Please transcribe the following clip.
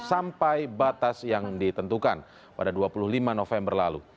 sampai batas yang ditentukan pada dua puluh lima november lalu